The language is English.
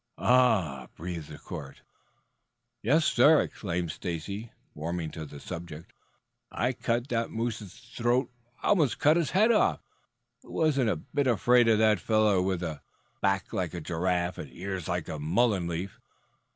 "Ah!" breathed the court. "Yes, sir," exclaimed Stacy, warming to his subject. "I cut that moose's throat. I almost cut his head off. I wasn't a bit afraid of that fellow with a back like a giraffe, and ears like a mullen leaf."